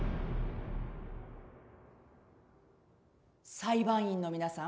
裁判員の皆さん